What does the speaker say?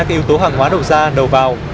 các yếu tố hàng hóa đổ ra đầu vào